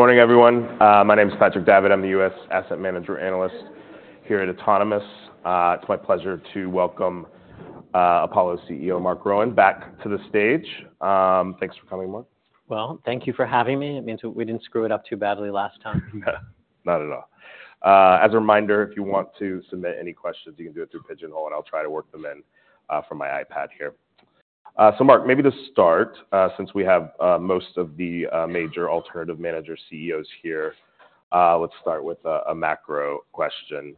Good morning, everyone. My name is Patrick Davitt. I'm the U.S. asset manager analyst here at Autonomous. It's my pleasure to welcome Apollo CEO, Marc Rowan, back to the stage. Thanks for coming, Marc. Well, thank you for having me. It means we didn't screw it up too badly last time. Not at all. As a reminder, if you want to submit any questions, you can do it through Pigeonhole, and I'll try to work them in from my iPad here. So Marc, maybe to start, since we have most of the major alternative manager CEOs here, let's start with a macro question.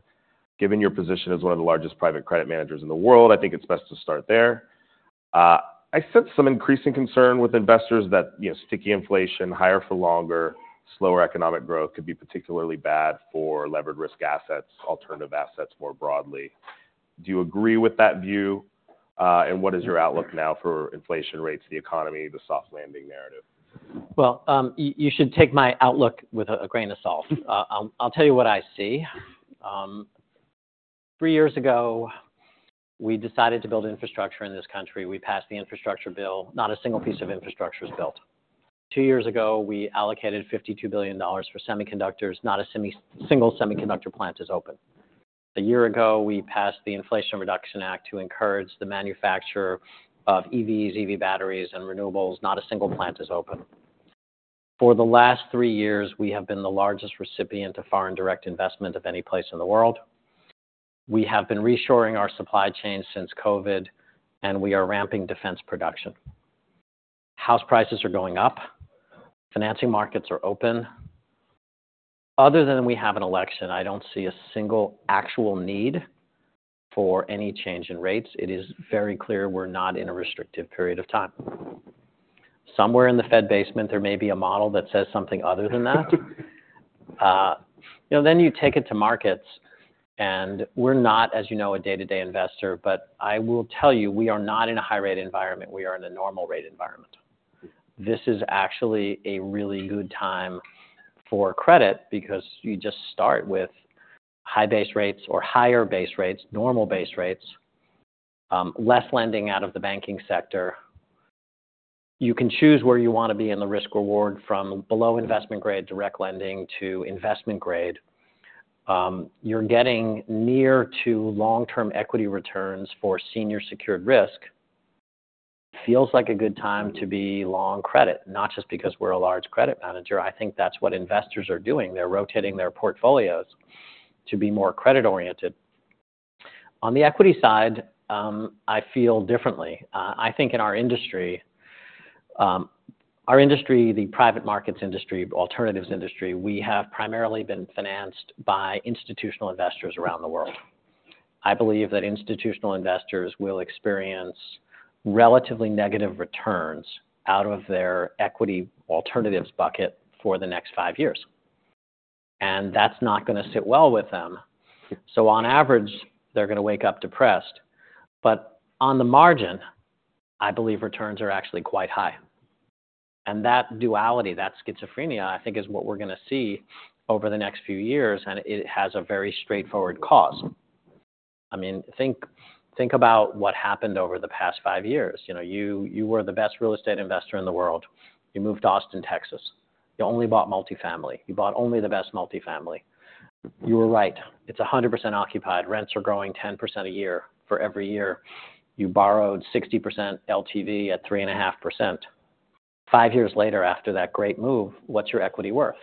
Given your position as one of the largest private credit managers in the world, I think it's best to start there. I sense some increasing concern with investors that, you know, sticky inflation, higher for longer, slower economic growth could be particularly bad for levered risk assets, alternative assets more broadly. Do you agree with that view? And what is your outlook now for inflation rates, the economy, the soft landing narrative? Well, you should take my outlook with a grain of salt. I'll tell you what I see. Three years ago, we decided to build infrastructure in this country. We passed the infrastructure bill. Not a single piece of infrastructure is built. Two years ago, we allocated $52 billion for semiconductors. Not a single semiconductor plant is open. A year ago, we passed the Inflation Reduction Act to encourage the manufacture of EVs, EV batteries, and renewables. Not a single plant is open. For the last three years, we have been the largest recipient of foreign direct investment of any place in the world. We have been reshoring our supply chain since COVID, and we are ramping defense production. House prices are going up. Financing markets are open. Other than we have an election, I don't see a single actual need for any change in rates. It is very clear we're not in a restrictive period of time. Somewhere in the Fed basement, there may be a model that says something other than that. You know, then you take it to markets, and we're not, as you know, a day-to-day investor, but I will tell you, we are not in a high rate environment. We are in a normal rate environment. This is actually a really good time for credit because you just start with high base rates or higher base rates, normal base rates, less lending out of the banking sector. You can choose where you want to be in the risk reward from below investment grade, direct lending to investment grade. You're getting near to long-term equity returns for senior secured risk. Feels like a good time to be long credit, not just because we're a large credit manager. I think that's what investors are doing. They're rotating their portfolios to be more credit-oriented. On the equity side, I feel differently. I think in our industry, the private markets industry, alternatives industry, we have primarily been financed by institutional investors around the world. I believe that institutional investors will experience relatively negative returns out of their equity alternatives bucket for the next five years, and that's not gonna sit well with them. So on average, they're gonna wake up depressed. But on the margin, I believe returns are actually quite high. And that duality, that schizophrenia, I think, is what we're gonna see over the next few years, and it has a very straightforward cause. I mean, think about what happened over the past five years. You know, you were the best real estate investor in the world. You moved to Austin, Texas. You only bought multifamily. You bought only the best multifamily. You were right. It's 100% occupied. Rents are growing 10% a year for every year. You borrowed 60% LTV at 3.5%. five years later, after that great move, what's your equity worth?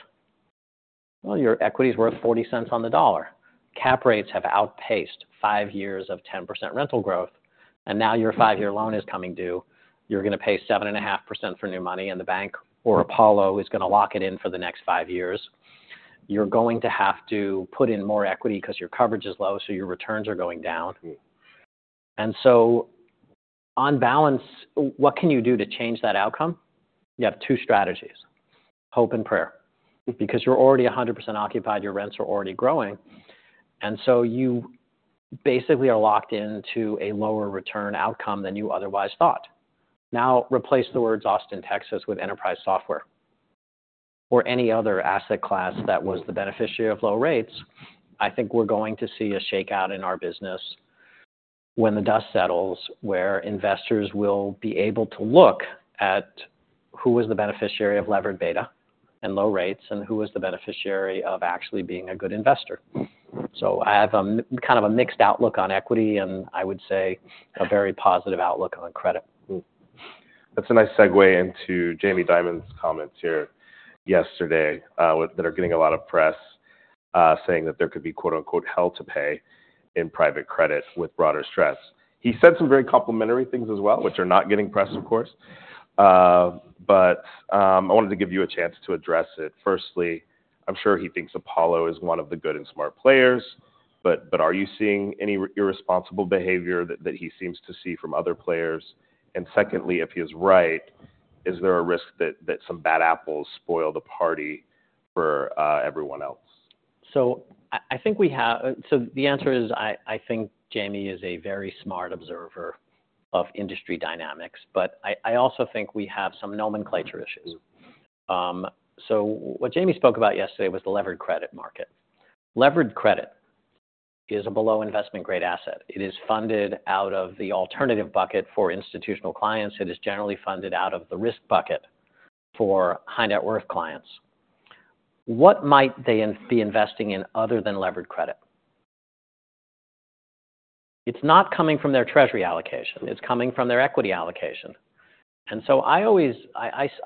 Well, your equity is worth $0.40 on the dollar. Cap rates have outpaced five years of 10% rental growth, and now your five-year loan is coming due. You're gonna pay 7.5% for new money, and the bank or Apollo is gonna lock it in for the next five years. You're going to have to put in more equity 'cause your coverage is low, so your returns are going down. And so on balance, what can you do to change that outcome? You have two strategies: hope and prayer, because you're already 100% occupied, your rents are already growing, and so you basically are locked into a lower return outcome than you otherwise thought. Now, replace the words Austin, Texas, with enterprise software or any other asset class that was the beneficiary of low rates. I think we're going to see a shakeout in our business when the dust settles, where investors will be able to look at who is the beneficiary of levered beta and low rates, and who is the beneficiary of actually being a good investor. So I have kind of a mixed outlook on equity, and I would say a very positive outlook on credit. That's a nice segue into Jamie Dimon's comments here yesterday with that are getting a lot of press, saying that there could be, quote, unquote, "hell to pay" in private credit with broader stress. He said some very complimentary things as well, which are not getting press, of course. But I wanted to give you a chance to address it. Firstly, I'm sure he thinks Apollo is one of the good and smart players, but are you seeing any irresponsible behavior that he seems to see from other players? And secondly, if he is right, is there a risk that some bad apples spoil the party for everyone else? So the answer is, I think Jamie is a very smart observer of industry dynamics, but I also think we have some nomenclature issues. So what Jamie spoke about yesterday was the levered credit market. Levered credit is a below-investment-grade asset. It is funded out of the alternative bucket for institutional clients. It is generally funded out of the risk bucket for high net worth clients. What might they be investing in other than levered credit? It's not coming from their treasury allocation, it's coming from their equity allocation. And so I always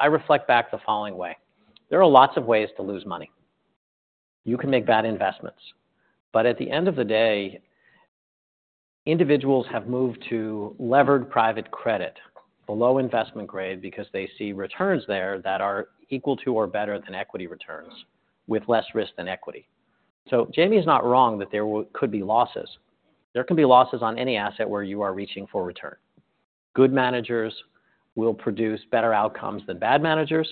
reflect back the following way: There are lots of ways to lose money. You can make bad investments, but at the end of the day, individuals have moved to levered private credit, below investment grade, because they see returns there that are equal to or better than equity returns, with less risk than equity. So Jamie is not wrong that there could be losses. There can be losses on any asset where you are reaching for return. Good managers will produce better outcomes than bad managers.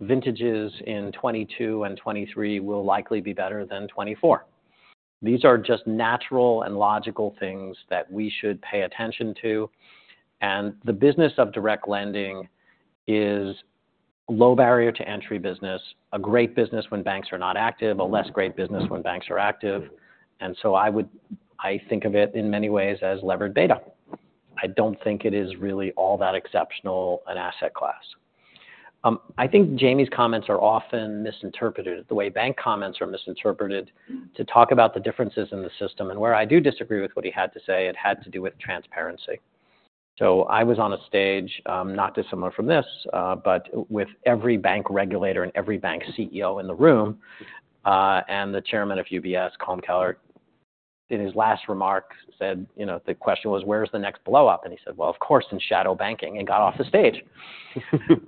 Vintages in 2022 and 2023 will likely be better than 2024. These are just natural and logical things that we should pay attention to, and the business of direct lending is low barrier to entry business, a great business when banks are not active, a less great business when banks are active. And so I would, I think of it in many ways as levered beta. I don't think it is really all that exceptional an asset class. I think Jamie's comments are often misinterpreted, the way bank comments are misinterpreted, to talk about the differences in the system. Where I do disagree with what he had to say, it had to do with transparency. So I was on a stage, not dissimilar from this, but with every bank regulator and every bank CEO in the room, and the chairman of UBS, Colm Kelleher, in his last remarks, said... You know, the question was: "Where's the next blowup?" And he said, "Well, of course, in shadow banking," and got off the stage.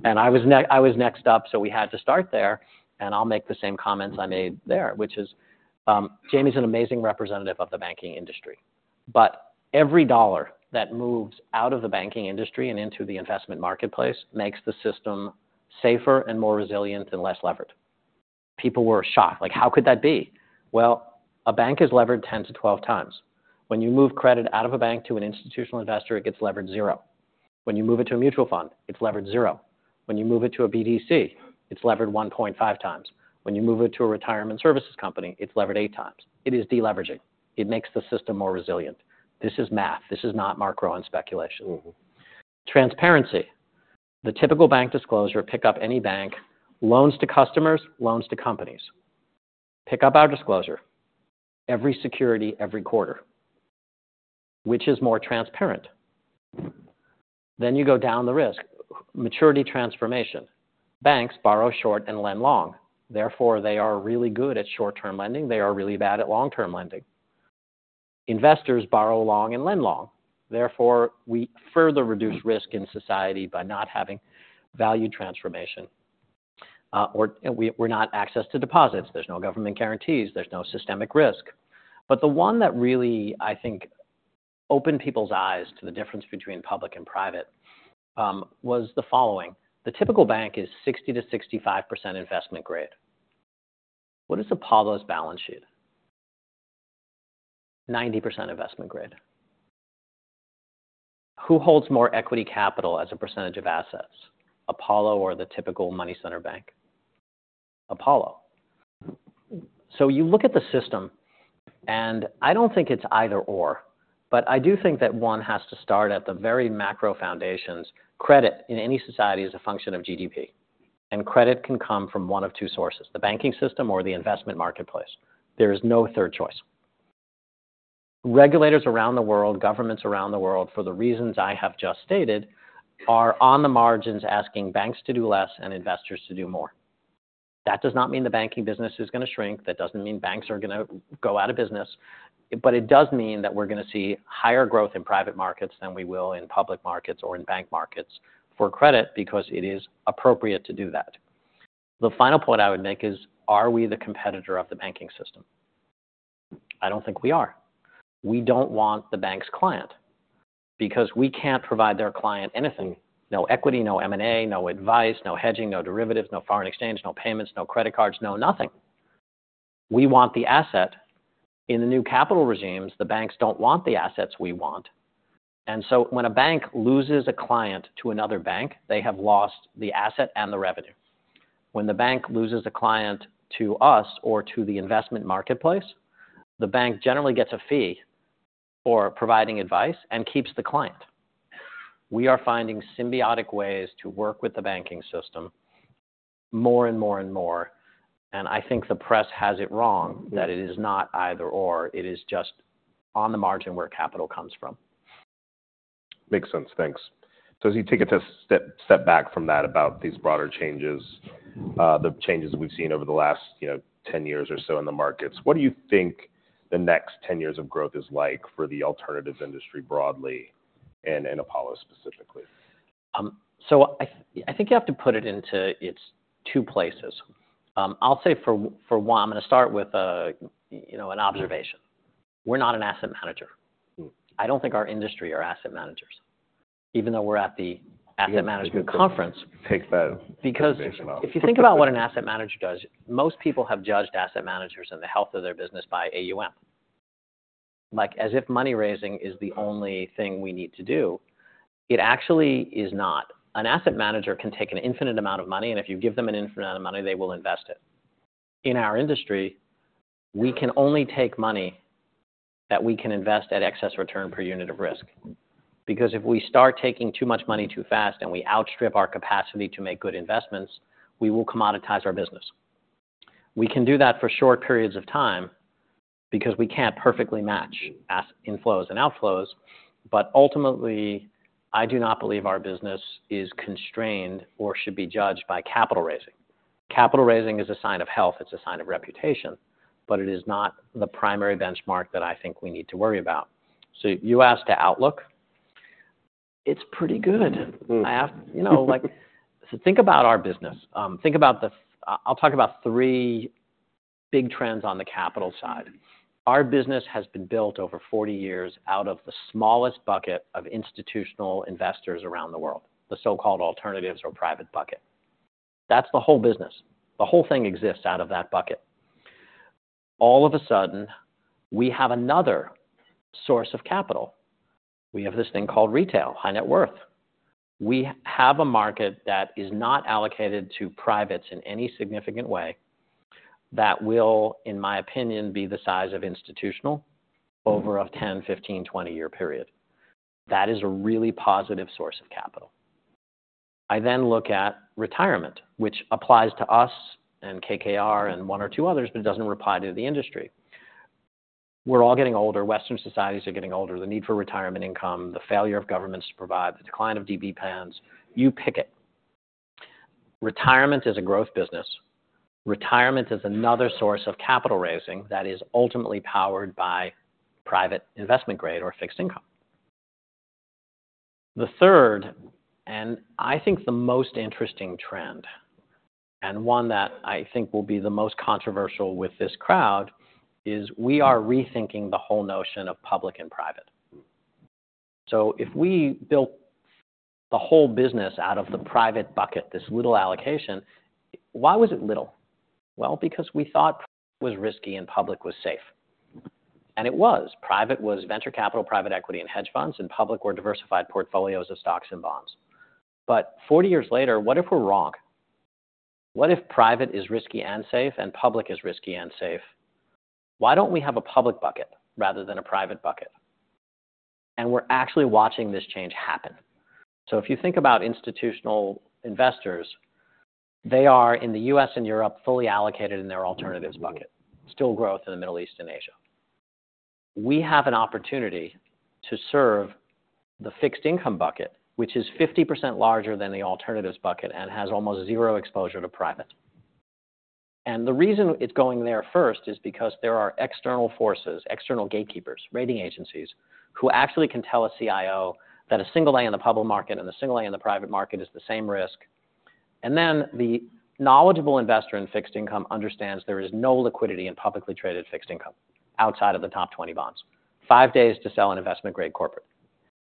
I was next up, so we had to start there, and I'll make the same comments I made there, which is, Jamie's an amazing representative of the banking industry, but every dollar that moves out of the banking industry and into the investment marketplace makes the system safer and more resilient and less levered. People were shocked, like, "How could that be?" Well, a bank is levered 10-12x. When you move credit out of a bank to an institutional investor, it gets levered zero. When you move it to a mutual fund, it's levered zero. When you move it to a BDC, it's levered 1.5x. When you move it to a retirement services company, it's levered 8x. It is de-leveraging. It makes the system more resilient. This is math. This is not macro and speculation. Mm-hmm. Transparency. The typical bank disclosure, pick up any bank, loans to customers, loans to companies. Pick up our disclosure, every security, every quarter. Which is more transparent? Then you go down the risk. Maturity transformation. Banks borrow short and lend long. Therefore, they are really good at short-term lending, they are really bad at long-term lending. Investors borrow long and lend long. Therefore, we further reduce risk in society by not having maturity transformation, or we're not accessing deposits. There's no government guarantees, there's no systemic risk. But the one that really, I think, opened people's eyes to the difference between public and private, was the following: The typical bank is 60%-65% investment grade. What is Apollo's balance sheet? 90% investment grade. Who holds more equity capital as a percentage of assets, Apollo or the typical money center bank? Apollo. So you look at the system, and I don't think it's either/or, but I do think that one has to start at the very macro foundations. Credit, in any society, is a function of GDP, and credit can come from one of two sources, the banking system or the investment marketplace. There is no third choice. Regulators around the world, governments around the world, for the reasons I have just stated, are on the margins asking banks to do less and investors to do more. That does not mean the banking business is gonna shrink. That doesn't mean banks are gonna go out of business. But it does mean that we're gonna see higher growth in private markets than we will in public markets or in bank markets for credit, because it is appropriate to do that. The final point I would make is: Are we the competitor of the banking system? I don't think we are. We don't want the bank's client, because we can't provide their client anything, no equity, no M&A, no advice, no hedging, no derivatives, no foreign exchange, no payments, no credit cards, no nothing. We want the asset. In the new capital regimes, the banks don't want the assets we want, and so when a bank loses a client to another bank, they have lost the asset and the revenue. When the bank loses a client to us or to the investment marketplace, the bank generally gets a fee for providing advice and keeps the client. We are finding symbiotic ways to work with the banking system more and more and more, and I think the press has it wrong, that it is not either/or, it is just on the margin where capital comes from. Makes sense. Thanks. So as you take a step back from that about these broader changes, the changes we've seen over the last, you know, 10 years or so in the markets, what do you think the next 10 years of growth is like for the alternatives industry broadly and Apollo specifically? So I think you have to put it into its two places. I'll say for one, I'm gonna start with, you know, an observation. Yeah. We're not an asset manager. Mm. I don't think our industry are asset managers, even though we're at the asset management conference. Take that observation off. Because if you think about what an asset manager does, most people have judged asset managers and the health of their business by AUM. Like, as if money-raising is the only thing we need to do.... It actually is not. An asset manager can take an infinite amount of money, and if you give them an infinite amount of money, they will invest it. In our industry, we can only take money that we can invest at excess return per unit of risk. Because if we start taking too much money too fast, and we outstrip our capacity to make good investments, we will commoditize our business. We can do that for short periods of time because we can't perfectly match as inflows and outflows, but ultimately, I do not believe our business is constrained or should be judged by capital raising. Capital raising is a sign of health, it's a sign of reputation, but it is not the primary benchmark that I think we need to worry about. So you asked the outlook, it's pretty good. Mm. You know, like, so think about our business. I'll talk about three big trends on the capital side. Our business has been built over 40 years out of the smallest bucket of institutional investors around the world, the so-called alternatives or private bucket. That's the whole business. The whole thing exists out of that bucket. All of a sudden, we have another source of capital. We have this thing called retail, high net worth. We have a market that is not allocated to privates in any significant way, that will, in my opinion, be the size of institutional over a 10, 15, 20-year period. That is a really positive source of capital. I then look at retirement, which applies to us and KKR and 1 or 2 others, but it doesn't apply to the industry. We're all getting older. Western societies are getting older. The need for retirement income, the failure of governments to provide, the decline of DB plans, you pick it. Retirement is a growth business. Retirement is another source of capital raising that is ultimately powered by private investment grade or fixed income. The third, and I think the most interesting trend, and one that I think will be the most controversial with this crowd, is we are rethinking the whole notion of public and private. So if we built the whole business out of the private bucket, this little allocation, why was it little? Well, because we thought it was risky and public was safe. And it was. Private was venture capital, private equity, and hedge funds, and public were diversified portfolios of stocks and bonds. But 40 years later, what if we're wrong? What if private is risky and safe, and public is risky and safe? Why don't we have a public bucket rather than a private bucket? We're actually watching this change happen. If you think about institutional investors, they are, in the U.S. and Europe, fully allocated in their alternatives bucket. Still growth in the Middle East and Asia. We have an opportunity to serve the fixed income bucket, which is 50% larger than the alternatives bucket and has almost zero exposure to private. The reason it's going there first is because there are external forces, external gatekeepers, rating agencies, who actually can tell a CIO that a single land in the public market and a single land in the private market is the same risk. And then the knowledgeable investor in fixed income understands there is no liquidity in publicly traded fixed income outside of the top 20 bonds. Five days to sell an investment-grade corporate.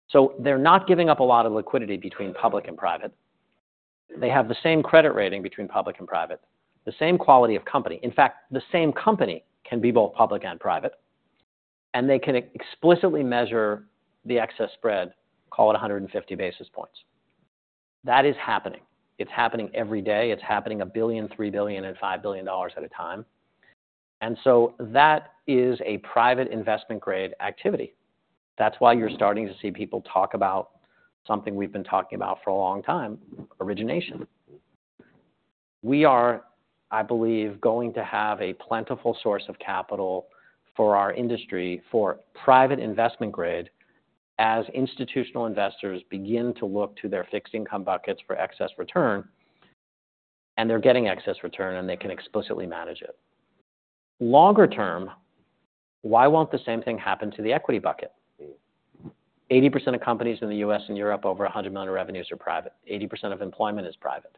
So they're not giving up a lot of liquidity between public and private. They have the same credit rating between public and private, the same quality of company. In fact, the same company can be both public and private, and they can explicitly measure the excess spread, call it 150 basis points. That is happening. It's happening every day. It's happening $1 billion, $3 billion, and $5 billion at a time. And so that is a private investment grade activity. That's why you're starting to see people talk about something we've been talking about for a long time, origination. We are, I believe, going to have a plentiful source of capital for our industry, for private investment grade, as institutional investors begin to look to their fixed income buckets for excess return, and they're getting excess return, and they can explicitly manage it. Longer term, why won't the same thing happen to the equity bucket? 80% of companies in the U.S. and Europe, over $100 million revenues, are private. 80% of employment is private.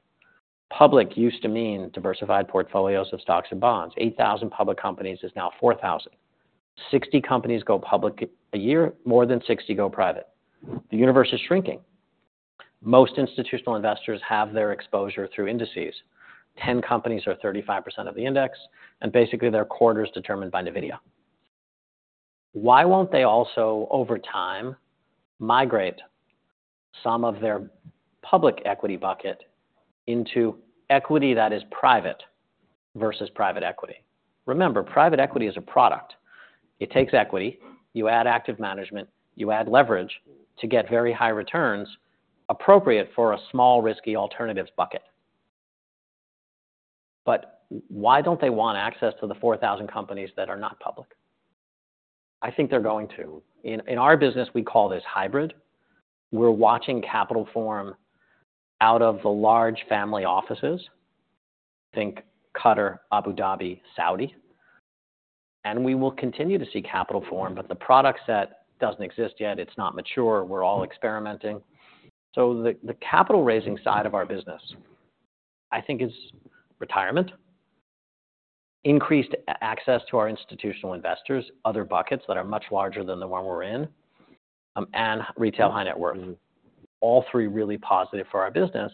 Public used to mean diversified portfolios of stocks and bonds. 8,000 public companies is now 4,000. 60 companies go public a year, more than 60 go private. The universe is shrinking. Most institutional investors have their exposure through indices. 10 companies are 35% of the index, and basically, their quarter is determined by NVIDIA. Why won't they also, over time, migrate some of their public equity bucket into equity that is private versus private equity? Remember, private equity is a product. It takes equity, you add active management, you add leverage to get very high returns appropriate for a small, risky alternatives bucket. But why don't they want access to the 4,000 companies that are not public? I think they're going to. In our business, we call this hybrid. We're watching capital form out of the large family offices, think Qatar, Abu Dhabi, Saudi, and we will continue to see capital form, but the product set doesn't exist yet. It's not mature. We're all experimenting. So the capital raising side of our business, I think is retirement, increased access to our institutional investors, other buckets that are much larger than the one we're in, and retail high net worth. All three really positive for our business.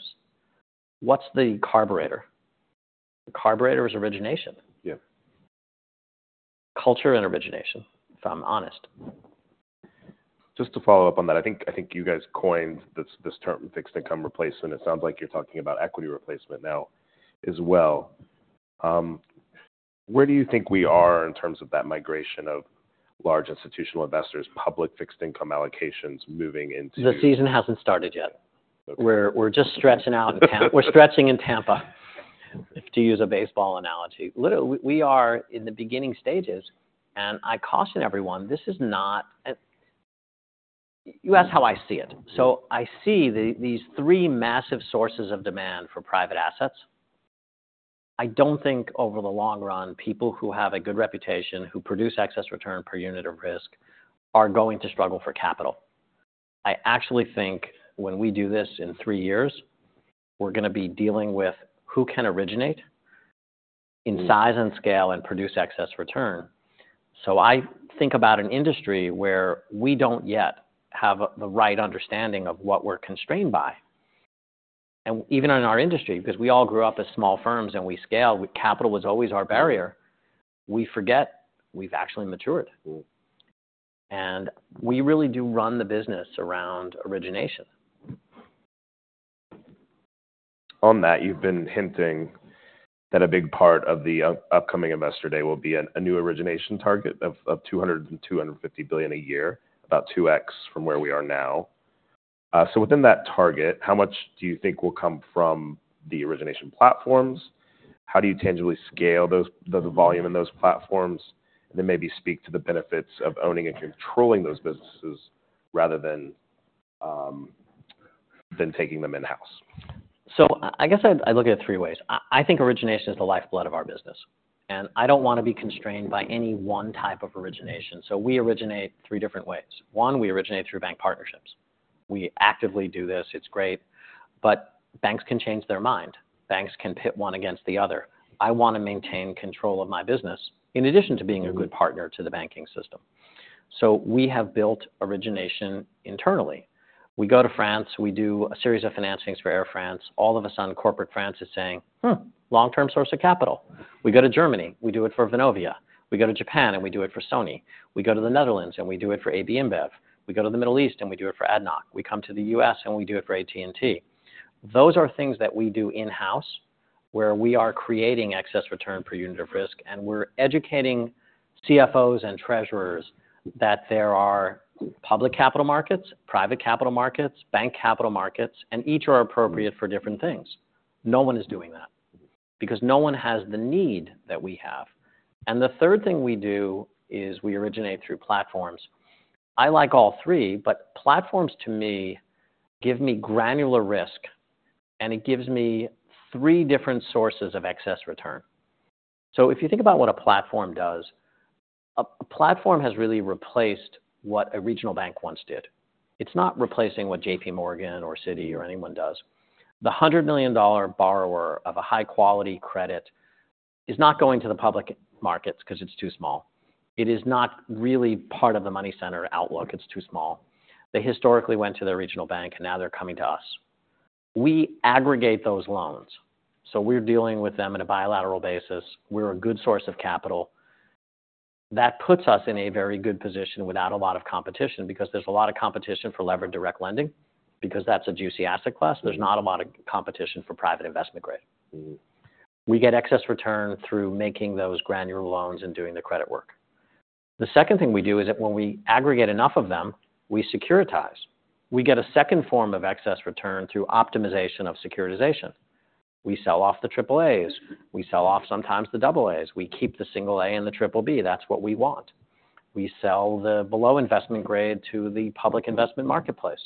What's the carburetor? The carburetor is origination. Yeah.... culture and origination, if I'm honest. Just to follow up on that, I think, I think you guys coined this, this term, fixed income replacement. It sounds like you're talking about equity replacement now as well. Where do you think we are in terms of that migration of large institutional investors, public fixed income allocations moving into- The season hasn't started yet. Okay. We're just stretching out in Tampa. We're stretching in Tampa, to use a baseball analogy. Literally, we are in the beginning stages, and I caution everyone, this is not— You ask how I see it. Mm-hmm. So I see these three massive sources of demand for private assets. I don't think over the long run, people who have a good reputation, who produce excess return per unit of risk, are going to struggle for capital. I actually think when we do this in three years, we're gonna be dealing with who can originate- Mm. in size and scale, and produce excess return. So I think about an industry where we don't yet have the right understanding of what we're constrained by. Even in our industry, because we all grew up as small firms and we scaled, capital was always our barrier. We forget, we've actually matured. Mm. We really do run the business around origination. On that, you've been hinting that a big part of the upcoming Investor Day will be a new origination target of $200 billion-$250 billion a year, about 2x from where we are now. So within that target, how much do you think will come from the origination platforms? How do you tangibly scale those, the volume in those platforms? And then maybe speak to the benefits of owning and controlling those businesses rather than taking them in-house. So I guess I look at it three ways. I think origination is the lifeblood of our business, and I don't wanna be constrained by any one type of origination, so we originate three different ways. One, we originate through bank partnerships. We actively do this, it's great, but banks can change their mind. Banks can pit one against the other. I wanna maintain control of my business, in addition to being- Mm... a good partner to the banking system. So we have built origination internally. We go to France, we do a series of financings for Air France. All of a sudden, corporate France is saying, "Huh, long-term source of capital." We go to Germany, we do it for Vonovia. We go to Japan, and we do it for Sony. We go to the Netherlands, and we do it for AB InBev. We go to the Middle East, and we do it for ADNOC. We come to the U.S., and we do it for AT&T. Those are things that we do in-house, where we are creating excess return per unit of risk, and we're educating CFOs and treasurers that there are public capital markets, private capital markets, bank capital markets, and each are appropriate for different things. No one is doing that, because no one has the need that we have. The third thing we do is we originate through platforms. I like all three, but platforms to me give me granular risk, and it gives me three different sources of excess return. So if you think about what a platform does, a platform has really replaced what a regional bank once did. It's not replacing what JPMorgan or Citi or anyone does. The $100 million borrower of a high-quality credit is not going to the public markets because it's too small. It is not really part of the money center outlook. It's too small. They historically went to the regional bank, and now they're coming to us. We aggregate those loans, so we're dealing with them on a bilateral basis. We're a good source of capital. That puts us in a very good position without a lot of competition, because there's a lot of competition for levered direct lending, because that's a juicy asset class. Mm. There's not a lot of competition for private investment grade. Mm-hmm. We get excess return through making those granular loans and doing the credit work. The second thing we do is that when we aggregate enough of them, we securitize. We get a second form of excess return through optimization of securitization. We sell off the AAAs, we sell off sometimes the AAs. We keep the A and the BBB. That's what we want. We sell the below investment grade to the public investment marketplace.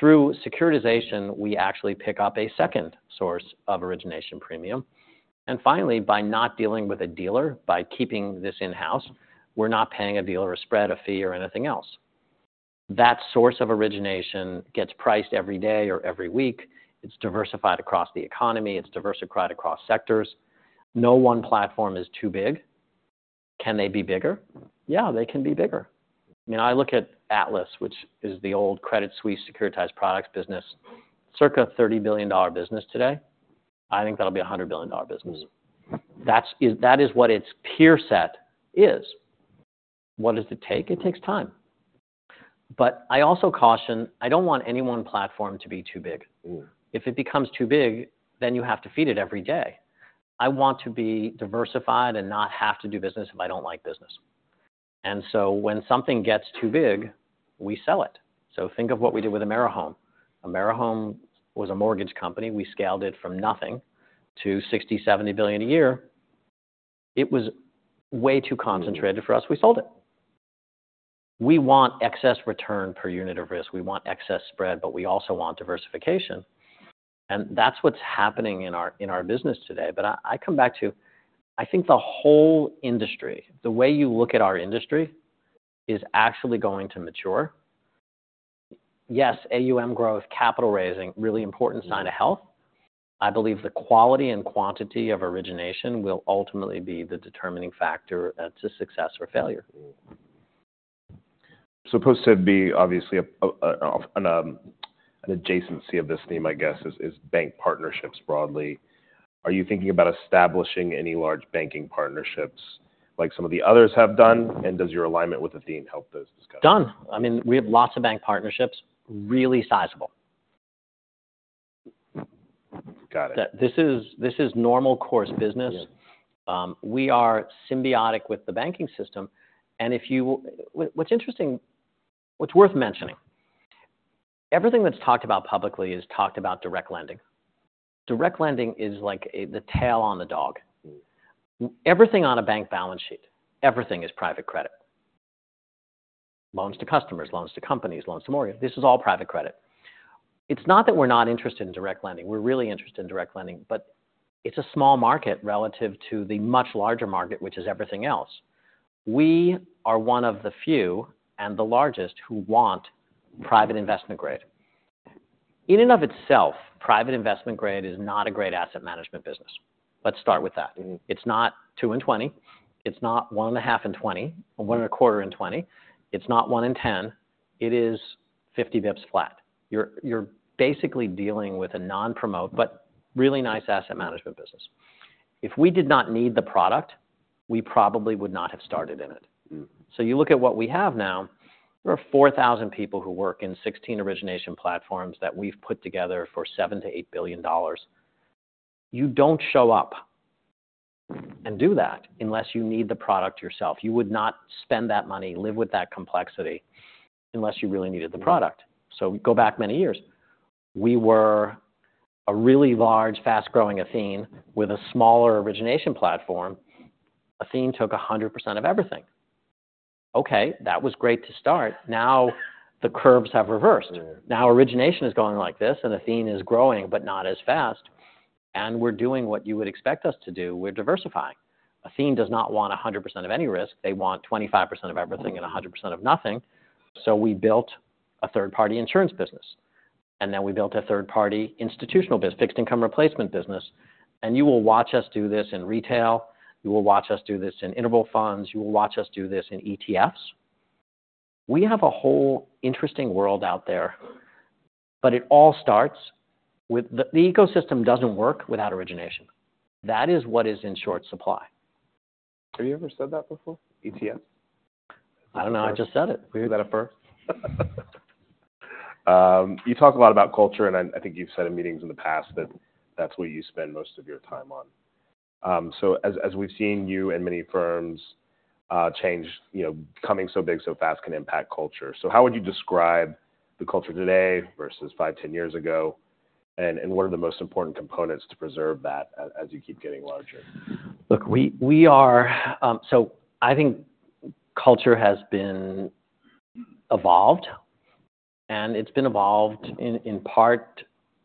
Through securitization, we actually pick up a second source of origination premium, and finally, by not dealing with a dealer, by keeping this in-house, we're not paying a dealer a spread, a fee, or anything else. That source of origination gets priced every day or every week. It's diversified across the economy. It's diversified across sectors. No one platform is too big. Can they be bigger? Yeah, they can be bigger. You know, I look at Atlas, which is the old Credit Suisse securitized products business, circa $30 billion business today. I think that'll be a $100 billion business. Mm. That is what its peer set is. What does it take? It takes time. But I also caution, I don't want any one platform to be too big. Mm. If it becomes too big, then you have to feed it every day. I want to be diversified and not have to do business if I don't like business. And so when something gets too big, we sell it. So think of what we did with AmeriHome. AmeriHome was a mortgage company. We scaled it from nothing to $60 billion-$70 billion a year. It was way too concentrated for us. We sold it. We want excess return per unit of risk. We want excess spread, but we also want diversification, and that's what's happening in our business today. But I come back to, I think the whole industry, the way you look at our industry, is actually going to mature. Yes, AUM growth, capital raising, really important sign of health. Mm. I believe the quality and quantity of origination will ultimately be the determining factor to success or failure.... supposed to be obviously an adjacency of this theme, I guess, is bank partnerships broadly. Are you thinking about establishing any large banking partnerships like some of the others have done? And does your alignment with Athene help this discussion? Done. I mean, we have lots of bank partnerships, really sizable. Got it. This is normal course business. Yeah. We are symbiotic with the banking system, and what's interesting, what's worth mentioning, everything that's talked about publicly is talked about direct lending. Direct lending is like a, the tail on the dog. Mm. Everything on a bank balance sheet, everything, is private credit. Loans to customers, loans to companies, loans to mortgages, this is all private credit. It's not that we're not interested in direct lending, we're really interested in direct lending, but it's a small market relative to the much larger market, which is everything else. We are one of the few, and the largest, who want private investment grade. In and of itself, private investment grade is not a great asset management business. Let's start with that. Mm-hmm. It's not 2 and 20, it's not 1.5 and 20, or 1.25 and 20. It's not 1 in 10. It is 50 basis points flat. You're, you're basically dealing with a non-promote, but really nice asset management business. If we did not need the product, we probably would not have started in it. Mm. So you look at what we have now, there are 4,000 people who work in 16 origination platforms that we've put together for $7 billion-$8 billion. You don't show up and do that unless you need the product yourself. You would not spend that money, live with that complexity, unless you really needed the product. Mm. So go back many years. We were a really large, fast-growing Athene with a smaller origination platform. Athene took 100% of everything. Okay, that was great to start. Now, the curves have reversed. Mm. Now, origination is going like this, and Athene is growing, but not as fast, and we're doing what you would expect us to do, we're diversifying. Athene does not want 100% of any risk, they want 25% of everything- Mm-hmm... and 100% of nothing. So we built a third-party insurance business, and then we built a third-party institutional business, fixed income replacement business. You will watch us do this in retail, you will watch us do this in interval funds, you will watch us do this in ETFs. We have a whole interesting world out there, but it all starts with the ecosystem. The ecosystem doesn't work without origination. That is what is in short supply. Have you ever said that before, ETF? I don't know. I just said it. Is that a first? You talk a lot about culture, and I, I think you've said in meetings in the past that that's where you spend most of your time on. So as we've seen you and many firms change, you know, becoming so big, so fast can impact culture. So how would you describe the culture today versus five, 10 years ago? And what are the most important components to preserve that as you keep getting larger? Look, so I think culture has been evolved, and it's been evolved in part,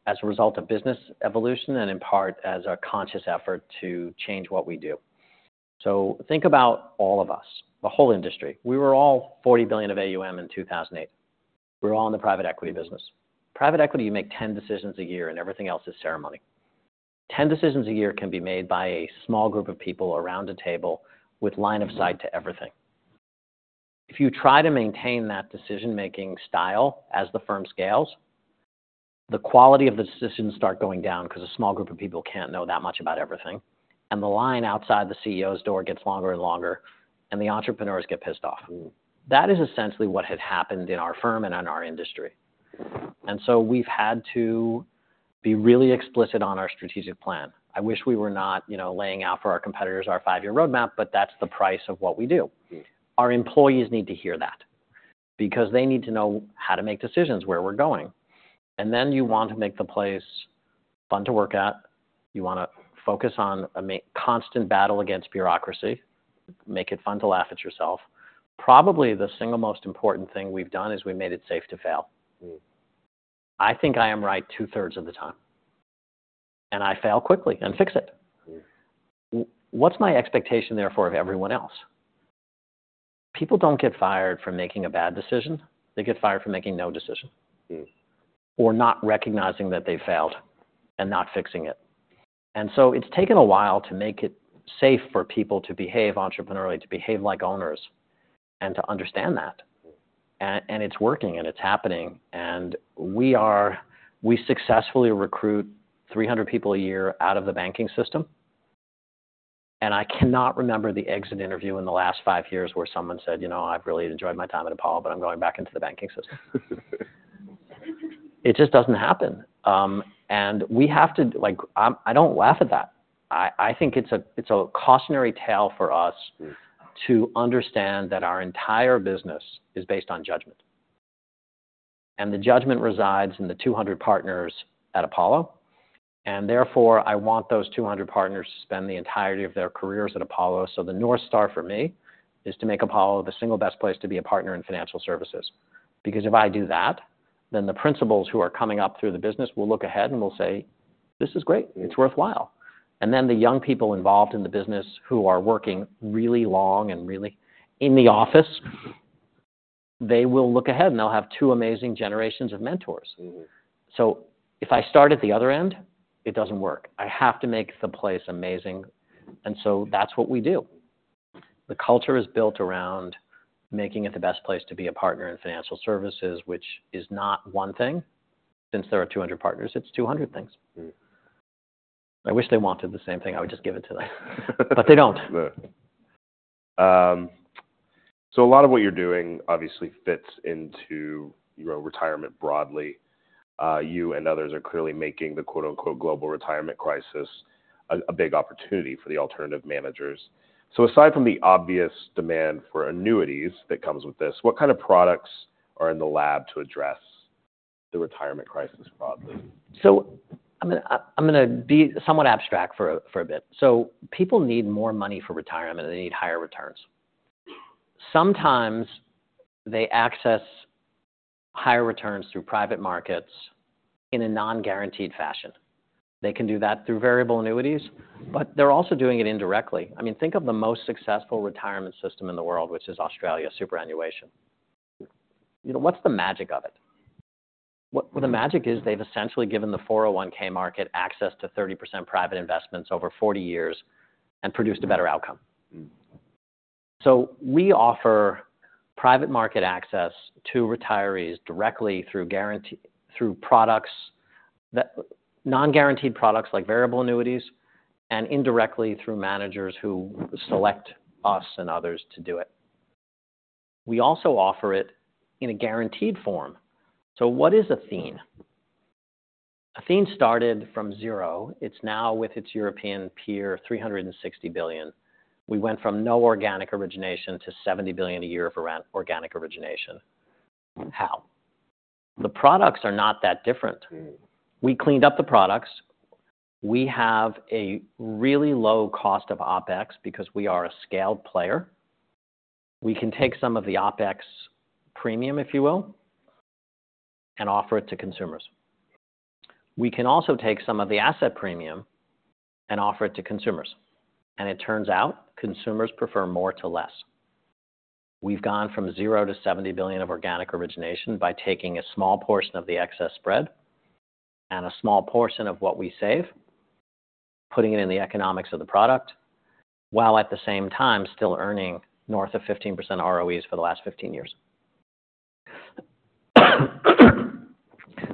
as a result of business evolution, and in part as our conscious effort to change what we do. So think about all of us, the whole industry. We were all $40 billion of AUM in 2008. We were all in the private equity business. Private equity, you make 10 decisions a year, and everything else is ceremony. 10 decisions a year can be made by a small group of people around a table with line of sight to everything. If you try to maintain that decision-making style as the firm scales, the quality of the decisions start going down because a small group of people can't know that much about everything, and the line outside the CEO's door gets longer and longer, and the entrepreneurs get pissed off. Mm. That is essentially what had happened in our firm and in our industry. And so we've had to be really explicit on our strategic plan. I wish we were not, you know, laying out for our competitors our five-year roadmap, but that's the price of what we do. Mm. Our employees need to hear that because they need to know how to make decisions, where we're going. And then you want to make the place fun to work at. You want to focus on a constant battle against bureaucracy, make it fun to laugh at yourself. Probably the single most important thing we've done is we made it safe to fail. Mm. I think I am right two thirds of the time, and I fail quickly and fix it. Mm. What's my expectation, therefore, of everyone else? People don't get fired for making a bad decision, they get fired for making no decision- Mm... or not recognizing that they failed and not fixing it. And so it's taken a while to make it safe for people to behave entrepreneurially, to behave like owners, and to understand that. Mm. And it's working, and it's happening, and we successfully recruit 300 people a year out of the banking system, and I cannot remember the exit interview in the last five years where someone said, "You know, I've really enjoyed my time at Apollo, but I'm going back into the banking system." It just doesn't happen. And we have to - like, I don't laugh at that. I, I think it's a, it's a cautionary tale for us - Mm... to understand that our entire business is based on judgment. The judgment resides in the 200 partners at Apollo, and therefore, I want those 200 partners to spend the entirety of their careers at Apollo. The North Star for me is to make Apollo the single best place to be a partner in financial services. Because if I do that, then the principals who are coming up through the business will look ahead and will say, "This is great. It's worthwhile." Then the young people involved in the business, who are working really long and really in the office, they will look ahead, and they'll have two amazing generations of mentors. Mm-hmm. So if I start at the other end, it doesn't work. I have to make the place amazing. And so that's what we do. The culture is built around making it the best place to be a partner in financial services, which is not one thing. Since there are 200 partners, it's 200 things. Mm-hmm. I wish they wanted the same thing. I would just give it to them, but they don't. Right. So a lot of what you're doing obviously fits into, you know, retirement broadly. You and others are clearly making the quote, unquote, "global retirement crisis" a big opportunity for the alternative managers. So aside from the obvious demand for annuities that comes with this, what kind of products are in the lab to address the retirement crisis broadly? So I'm gonna be somewhat abstract for a bit. So people need more money for retirement. They need higher returns. Sometimes they access higher returns through private markets in a non-guaranteed fashion. They can do that through variable annuities, but they're also doing it indirectly. I mean, think of the most successful retirement system in the world, which is Australia superannuation. You know, what's the magic of it? What- Mm. The magic is they've essentially given the 401(k) market access to 30% private investments over 40 years and produced a better outcome. Mm. We offer private market access to retirees directly through non-guaranteed products, like variable annuities, and indirectly through managers who select us and others to do it. We also offer it in a guaranteed form. So what is Athene? Athene started from zero. It's now, with its European peer, $360 billion. We went from no organic origination to $70 billion a year of around organic origination. How? The products are not that different. Mm. We cleaned up the products. We have a really low cost of OpEx because we are a scaled player. We can take some of the OpEx premium, if you will, and offer it to consumers. We can also take some of the asset premium and offer it to consumers, and it turns out consumers prefer more to less. We've gone from zero to $70 billion of organic origination by taking a small portion of the excess spread and a small portion of what we save, putting it in the economics of the product, while at the same time still earning north of 15% ROEs for the last 15 years.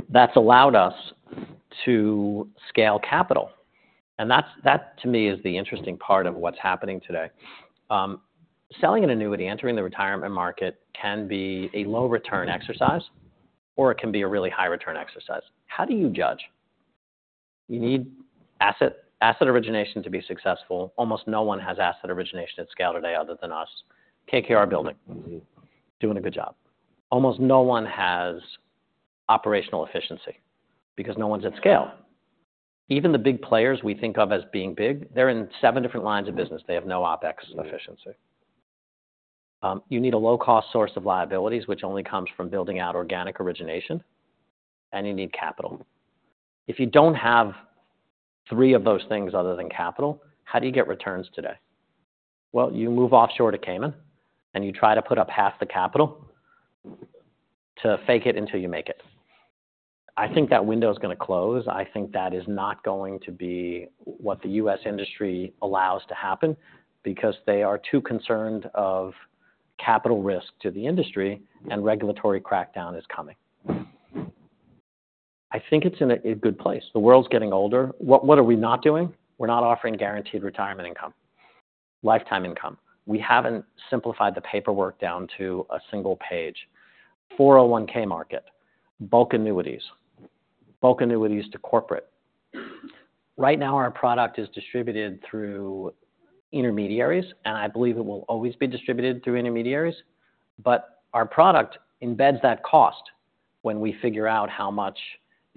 That's allowed us to scale capital, and that's that to me is the interesting part of what's happening today. Selling an annuity, entering the retirement market can be a low return exercise, or it can be a really high return exercise. How do you judge? You need asset origination to be successful. Almost no one has asset origination at scale today other than us. KKR building- Mm-hmm. Doing a good job. Almost no one has operational efficiency because no one's at scale. Even the big players we think of as being big, they're in seven different lines of business. They have no OpEx efficiency. You need a low-cost source of liabilities, which only comes from building out organic origination, and you need capital. If you don't have three of those things other than capital, how do you get returns today? Well, you move offshore to Cayman, and you try to put up half the capital to fake it until you make it. I think that window is gonna close. I think that is not going to be what the U.S. industry allows to happen because they are too concerned of capital risk to the industry, and regulatory crackdown is coming. I think it's in a good place. The world's getting older. What, what are we not doing? We're not offering guaranteed retirement income, lifetime income. We haven't simplified the paperwork down to a single page. 401(k) market, bulk annuities, bulk annuities to corporate. Right now, our product is distributed through intermediaries, and I believe it will always be distributed through intermediaries, but our product embeds that cost when we figure out how much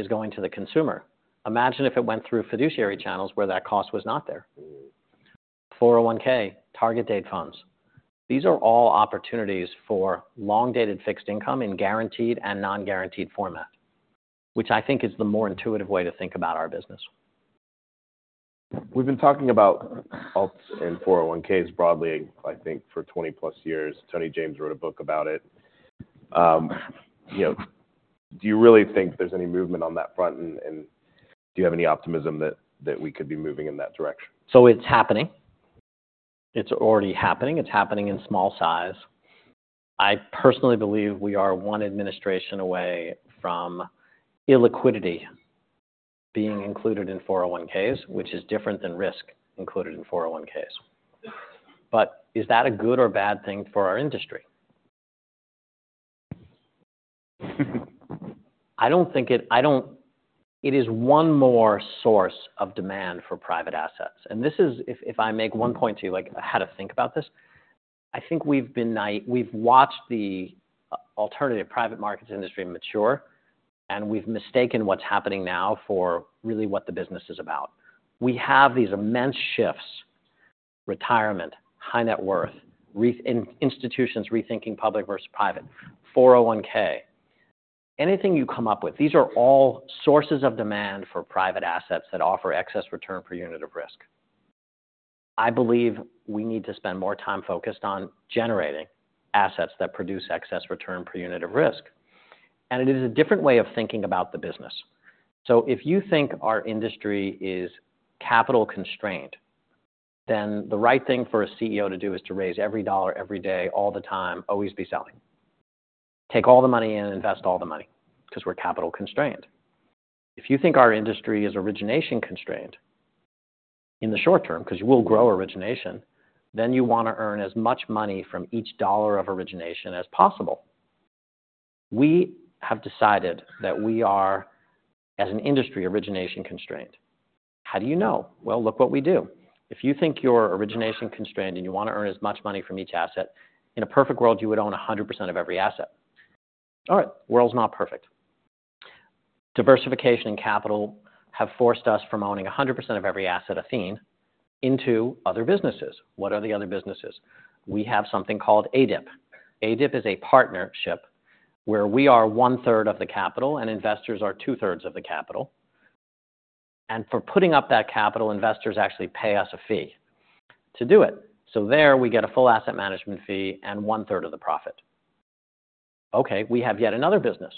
is going to the consumer. Imagine if it went through fiduciary channels where that cost was not there. Mm. 401(k) target date funds. These are all opportunities for long-dated fixed income in guaranteed and non-guaranteed format, which I think is the more intuitive way to think about our business. We've been talking about alts in 401(k)s broadly, I think, for 20+ years. Tony James wrote a book about it. You know, do you really think there's any movement on that front, and do you have any optimism that we could be moving in that direction? So it's happening. It's already happening. It's happening in small size. I personally believe we are one administration away from illiquidity being included in 401(k)s, which is different than risk included in 401(k)s. But is that a good or bad thing for our industry? I don't think it. It is one more source of demand for private assets, and this is... If I make one point to you, like, how to think about this, I think we've been. We've watched the alternative private markets industry mature, and we've mistaken what's happening now for really what the business is about. We have these immense shifts, retirement, high net worth, institutions rethinking public versus private, 401(k)s, anything you come up with, these are all sources of demand for private assets that offer excess return per unit of risk. I believe we need to spend more time focused on generating assets that produce excess return per unit of risk, and it is a different way of thinking about the business. So if you think our industry is capital-constrained, then the right thing for a CEO to do is to raise every dollar, every day, all the time, always be selling. Take all the money in and invest all the money, because we're capital-constrained. If you think our industry is origination-constrained, in the short term, because you will grow origination, then you wanna earn as much money from each dollar of origination as possible. We have decided that we are, as an industry, origination-constrained. How do you know? Well, look what we do. If you think you're origination-constrained, and you wanna earn as much money from each asset, in a perfect world, you would own 100% of every asset. All right, world's not perfect. Diversification and capital have forced us from owning 100% of every asset, Athene, into other businesses. What are the other businesses? We have something called ADIP. ADIP is a partnership where we are 1/3 of the capital, and investors are 2/3 of the capital. And for putting up that capital, investors actually pay us a fee to do it. So there, we get a full asset management fee and 1/3 of the profit. Okay, we have yet another business.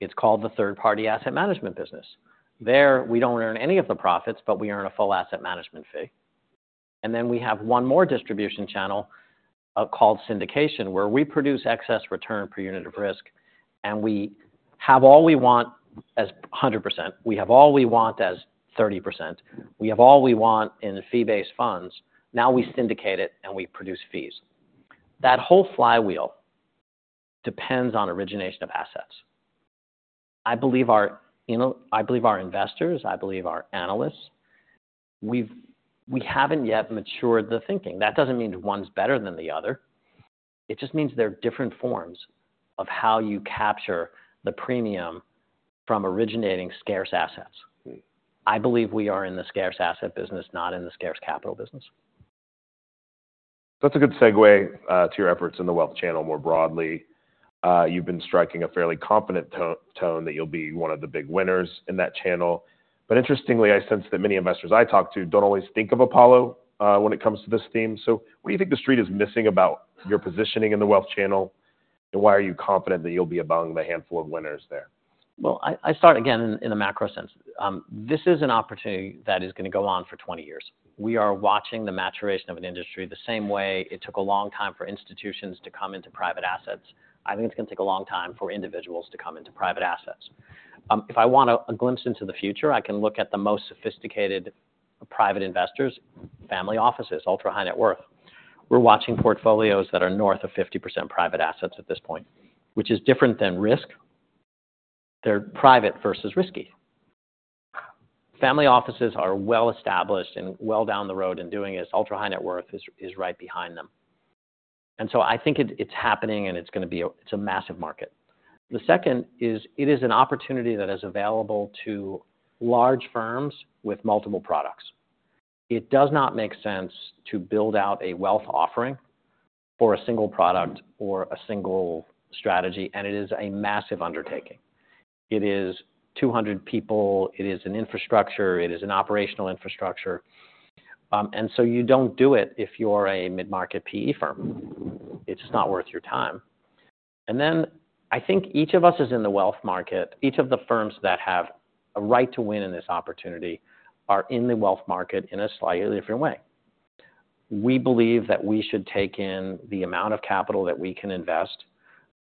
It's called the third-party asset management business. There, we don't earn any of the profits, but we earn a full asset management fee. And then we have one more distribution channel, called syndication, where we produce excess return per unit of risk, and we have all we want as 100%. We have all we want as 30%. We have all we want in the fee-based funds. Now we syndicate it, and we produce fees. That whole flywheel depends on origination of assets. I believe our investors, I believe our analysts, we haven't yet matured the thinking. That doesn't mean one's better than the other. It just means they're different forms of how you capture the premium from originating scarce assets. I believe we are in the scarce asset business, not in the scarce capital business. That's a good segue to your efforts in the wealth channel more broadly. You've been striking a fairly confident tone, that you'll be one of the big winners in that channel. But interestingly, I sense that many investors I talk to don't always think of Apollo, when it comes to this theme. So what do you think The Street is missing about your positioning in the wealth channel? And why are you confident that you'll be among the handful of winners there? Well, I start again in a macro sense. This is an opportunity that is gonna go on for 20 years. We are watching the maturation of an industry, the same way it took a long time for institutions to come into private assets. I think it's gonna take a long time for individuals to come into private assets. If I want a glimpse into the future, I can look at the most sophisticated private investors, family offices, ultra-high net worth. We're watching portfolios that are north of 50% private assets at this point, which is different than risk. They're private versus risky. Family offices are well-established and well down the road in doing this. Ultra-high net worth is right behind them. And so I think it, it's happening, and it's gonna be a massive market. The second is, it is an opportunity that is available to large firms with multiple products. It does not make sense to build out a wealth offering for a single product or a single strategy, and it is a massive undertaking. It is 200 people, it is an infrastructure, it is an operational infrastructure, and so you don't do it if you're a mid-market PE firm. It's just not worth your time. And then, I think each of us is in the wealth market. Each of the firms that have a right to win in this opportunity are in the wealth market in a slightly different way. We believe that we should take in the amount of capital that we can invest.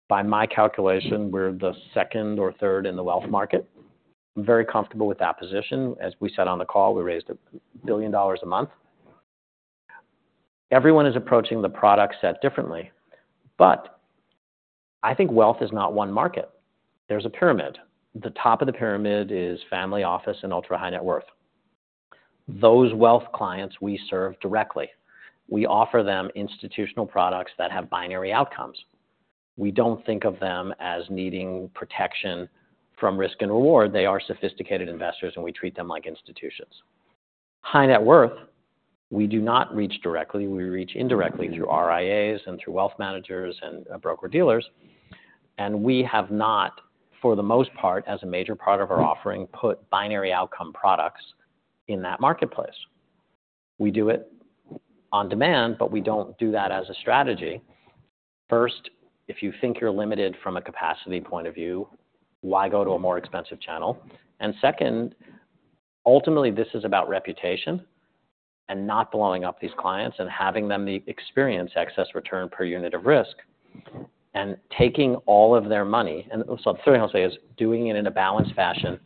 By my calculation, we're the second or third in the wealth market. I'm very comfortable with that position. As we said on the call, we raised $1 billion a month. Everyone is approaching the product set differently, but I think wealth is not one market. There's a pyramid. The top of the pyramid is family office and ultra-high net worth. Those wealth clients, we serve directly. We offer them institutional products that have binary outcomes. We don't think of them as needing protection from risk and reward. They are sophisticated investors, and we treat them like institutions. High net worth, we do not reach directly. We reach indirectly through RIAs and through wealth managers and broker-dealers, and we have not, for the most part, as a major part of our offering, put binary outcome products in that marketplace. We do it on demand, but we don't do that as a strategy. First, if you think you're limited from a capacity point of view, why go to a more expensive channel? And second, ultimdately, this is about reputation and not blowing up these clients and having them experience excess return per unit of risk and taking all of their money. And so the third thing I'll say is, doing it in a balanced fashion,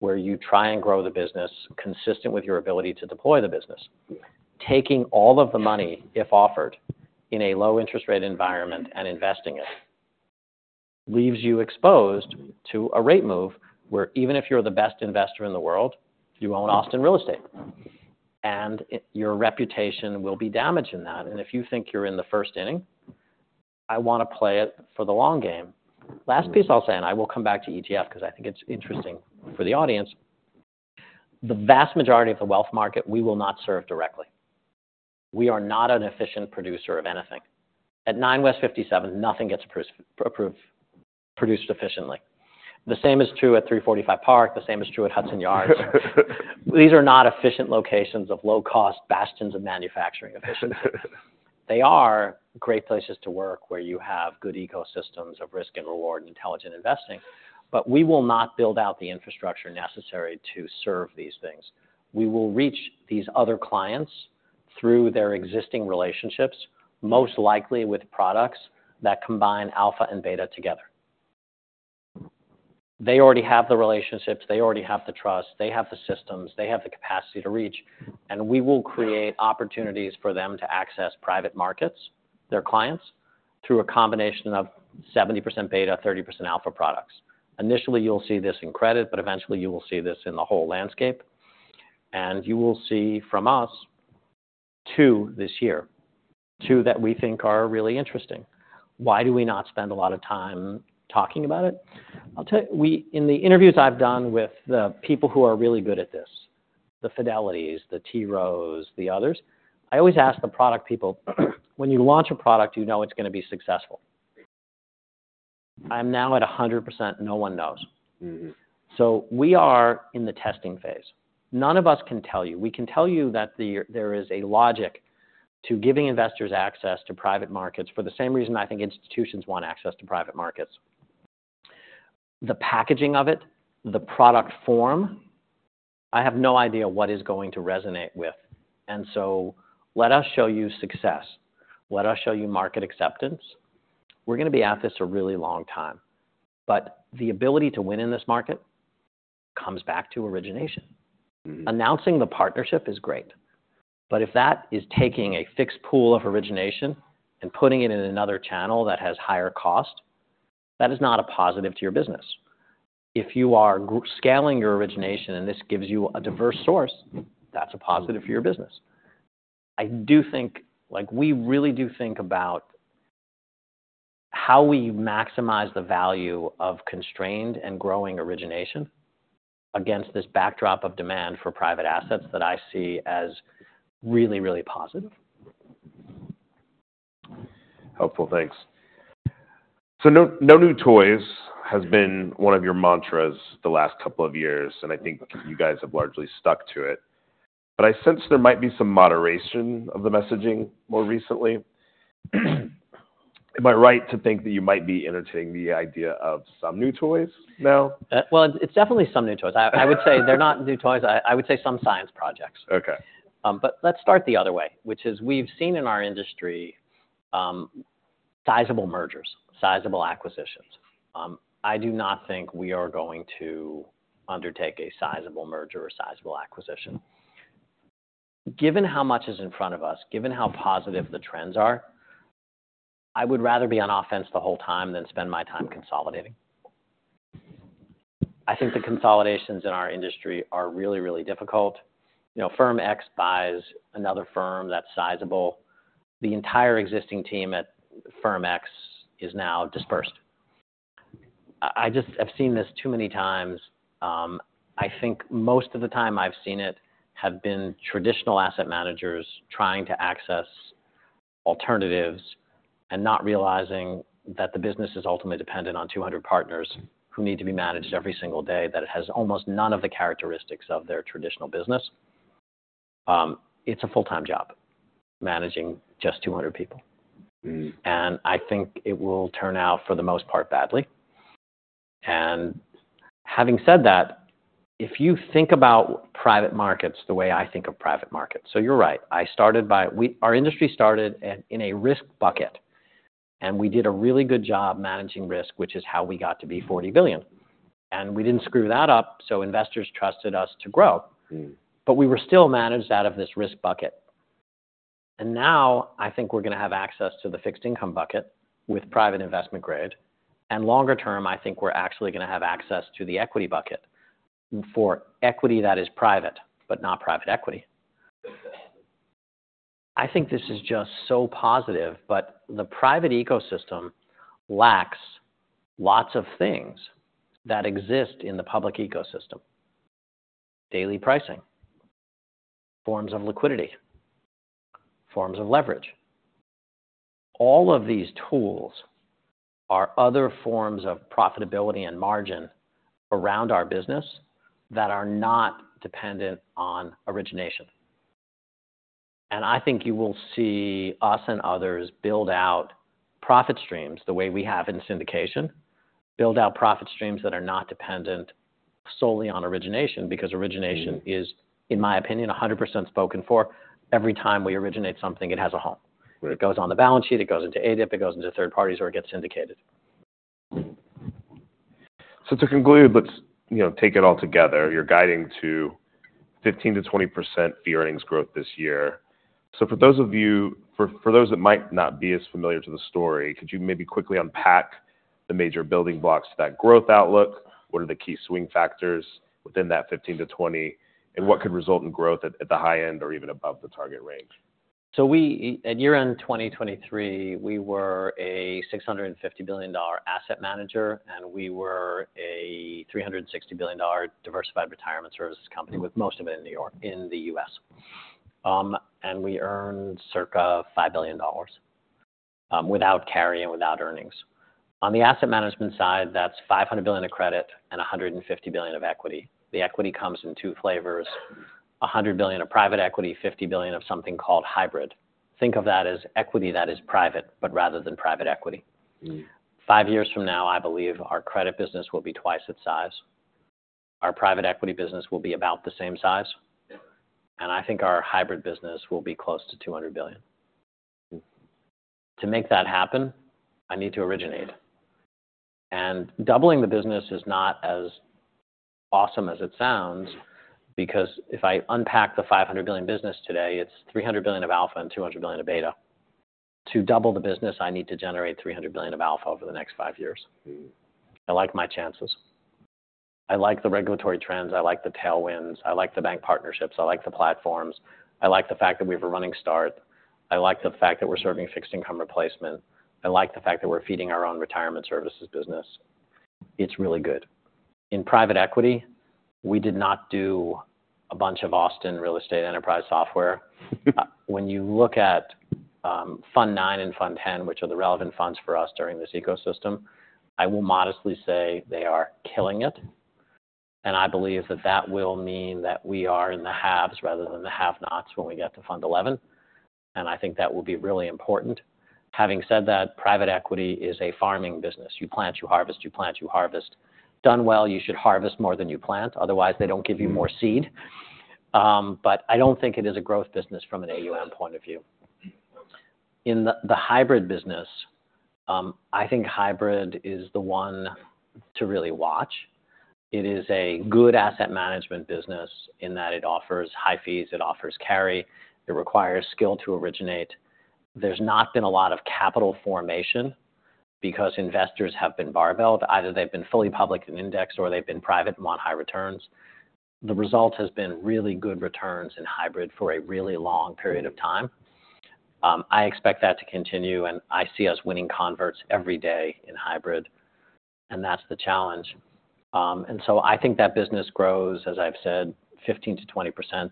where you try and grow the business consistent with your ability to deploy the business. Taking all of the money, if offered, in a low interest rate environment and investing it, leaves you exposed to a rate move, where even if you're the best investor in the world, you own Austin real estate, and your reputation will be damaged in that. And if you think you're in the first inning, I wanna play it for the long game. Last piece I'll say, and I will come back to ETF, because I think it's interesting for the audience. The vast majority of the wealth market, we will not serve directly. We are not an efficient producer of anything. At 9 West 57th Street, nothing gets produced efficiently. The same is true at 345 Park Avenue. The same is true at Hudson Yards. These are not efficient locations of low-cost bastions of manufacturing efficiency.... They are great places to work, where you have good ecosystems of risk and reward and intelligent investing, but we will not build out the infrastructure necessary to serve these things. We will reach these other clients through their existing relationships, most likely with products that combine alpha and beta together. They already have the relationships, they already have the trust, they have the systems, they have the capacity to reach, and we will create opportunities for them to access private markets, their clients, through a combination of 70% beta, 30% alpha products. Initially, you'll see this in credit, but eventually you will see this in the whole landscape, and you will see from us two this year, two that we think are really interesting. Why do we not spend a lot of time talking about it? I'll tell you, we - in the interviews I've done with the people who are really good at this, the Fidelitys, the T. Rowe Prices, the others, I always ask the product people, when you launch a product, you know it's gonna be successful. I'm now at 100%, no one knows. Mm-hmm. So we are in the testing phase. None of us can tell you. We can tell you that there is a logic to giving investors access to private markets for the same reason I think institutions want access to private markets. The packaging of it, the product form, I have no idea what is going to resonate with. And so let us show you success. Let us show you market acceptance. We're gonna be at this a really long time, but the ability to win in this market comes back to origination. Mm-hmm. Announcing the partnership is great, but if that is taking a fixed pool of origination and putting it in another channel that has higher cost, that is not a positive to your business. If you are scaling your origination, and this gives you a diverse source, that's a positive for your business. I do think, like, we really do think about how we maximize the value of constrained and growing origination against this backdrop of demand for private assets that I see as really, really positive. Helpful. Thanks. So no, no new toys has been one of your mantras the last couple of years, and I think you guys have largely stuck to it. But I sense there might be some moderation of the messaging more recently. Am I right to think that you might be entertaining the idea of some new toys now? Well, it's definitely some new toys. I would say they're not new toys. I would say some science projects. Okay. But let's start the other way, which is we've seen in our industry, sizable mergers, sizable acquisitions. I do not think we are going to undertake a sizable merger or sizable acquisition. Given how much is in front of us, given how positive the trends are, I would rather be on offense the whole time than spend my time consolidating. I think the consolidations in our industry are really, really difficult. You know, Firm X buys another firm that's sizable. The entire existing team at Firm X is now dispersed. I, I just... I've seen this too many times. I think most of the time I've seen it have been traditional asset managers trying to access alternatives and not realizing that the business is ultimately dependent on 200 partners who need to be managed every single day, that it has almost none of the characteristics of their traditional business. It's a full-time job, managing just 200 people. Mm. I think it will turn out, for the most part, badly. And having said that, if you think about private markets the way I think of private markets... So you're right, our industry started at, in a risk bucket, and we did a really good job managing risk, which is how we got to be $40 billion. And we didn't screw that up, so investors trusted us to grow. Mm. But we were still managed out of this risk bucket. And now I think we're gonna have access to the fixed income bucket with private investment grade. And longer term, I think we're actually gonna have access to the equity bucket. For equity, that is private, but not private equity. I think this is just so positive, but the private ecosystem lacks lots of things that exist in the public ecosystem: daily pricing, forms of liquidity, forms of leverage. All of these tools are other forms of profitability and margin around our business that are not dependent on origination. And I think you will see us and others build out profit streams the way we have in syndication, build out profit streams that are not dependent solely on origination, because origination- Mm... is, in my opinion, 100% spoken for. Every time we originate something, it has a home. Right. It goes on the balance sheet, it goes into ADIP, it goes into third parties, or it gets syndicated. So to conclude, let's, you know, take it all together. You're guiding to 15%-20% fee earnings growth this year. So for those of you—for those that might not be as familiar to the story, could you maybe quickly unpack the major building blocks to that growth outlook? What are the key swing factors within that 15%-20%, and what could result in growth at the high end or even above the target range? So we, at year-end 2023, we were a $650 billion asset manager, and we were a $360 billion diversified retirement services company, with most of it in New York, in the U.S. And we earned circa $5 billion without carry and without earnings. On the asset management side, that's $500 billion of credit and $150 billion of equity. The equity comes in two flavors, $100 billion of private equity, $50 billion of something called hybrid. Think of that as equity that is private, but rather than private equity. Five years from now, I believe our credit business will be twice its size. Our private equity business will be about the same size, and I think our hybrid business will be close to $200 billion. To make that happen, I need to originate. Doubling the business is not as awesome as it sounds, because if I unpack the $500 billion business today, it's $300 billion of alpha and $200 billion of beta. To double the business, I need to generate $300 billion of alpha over the next five years. I like my chances. I like the regulatory trends, I like the tailwinds, I like the bank partnerships, I like the platforms. I like the fact that we have a running start. I like the fact that we're serving fixed income replacement. I like the fact that we're feeding our own retirement services business. It's really good. In private equity, we did not do a bunch of Austin real estate enterprise software. When you look at Fund IX and Fund X, which are the relevant funds for us during this ecosystem, I will modestly say they are killing it, and I believe that that will mean that we are in the haves rather than the have-nots when we get to Fund XI, and I think that will be really important. Having said that, private equity is a farming business. You plant, you harvest, you plant, you harvest. Done well, you should harvest more than you plant, otherwise, they don't give you more seed. But I don't think it is a growth business from an AUM point of view. In the hybrid business, I think hybrid is the one to really watch. It is a good asset management business in that it offers high fees, it offers carry, it requires skill to originate. There's not been a lot of capital formation because investors have been barbelled. Either they've been fully public and indexed, or they've been private and want high returns. The result has been really good returns in hybrid for a really long period of time. I expect that to continue, and I see us winning converts every day in hybrid, and that's the challenge. And so I think that business grows, as I've said, 15%-20%.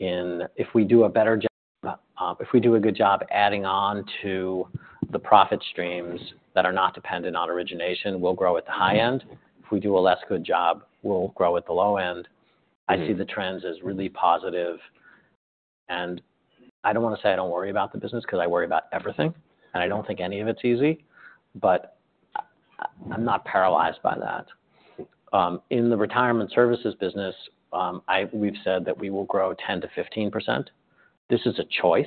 If we do a better job, if we do a good job adding on to the profit streams that are not dependent on origination, we'll grow at the high end. If we do a less good job, we'll grow at the low end. I see the trends as really positive, and I don't want to say I don't worry about the business because I worry about everything, and I don't think any of it's easy, but I'm not paralyzed by that. In the retirement services business, we've said that we will grow 10%-15%. This is a choice.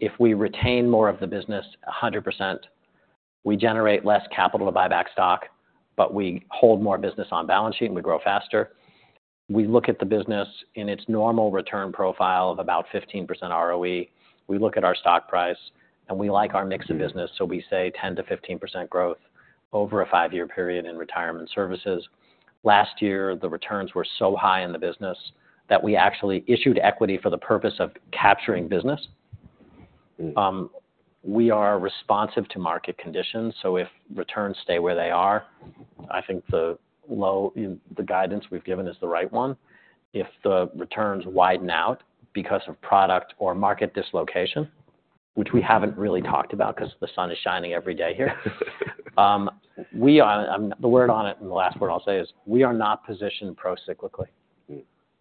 If we retain more of the business 100%, we generate less capital to buy back stock, but we hold more business on balance sheet, and we grow faster. We look at the business in its normal return profile of about 15% ROE. We look at our stock price, and we like our mix of business, so we say 10%-15% growth over a five-year period in retirement services. Last year, the returns were so high in the business that we actually issued equity for the purpose of capturing business. We are responsive to market conditions, so if returns stay where they are, I think the guidance we've given is the right one. If the returns widen out because of product or market dislocation, which we haven't really talked about because the sun is shining every day here, the word on it, and the last word I'll say, is we are not positioned procyclically.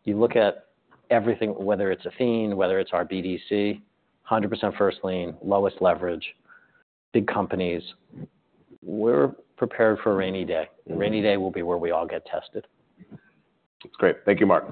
You look at everything, whether it's Athene, whether it's our BDC, 100% first lien, lowest leverage, big companies. We're prepared for a rainy day. A rainy day will be where we all get tested. Great. Thank you, Marc.